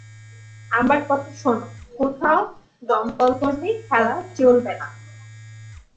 আমার কথা শোনো, কোথাও দমকলকর্মী খেলা চলবে না।